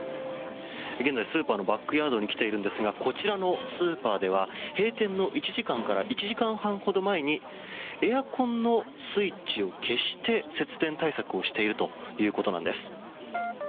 現在スーパーのバックヤードに来ているんですがこちらのスーパーでは閉店の１時間から１時間半ほど前にエアコンのスイッチを消して節電対策をしているということなんです。